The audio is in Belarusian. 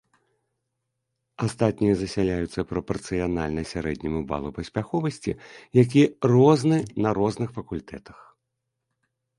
Астатнія засяляюцца прапарцыянальна сярэдняму балу паспяховасці, які розны на розных факультэтах.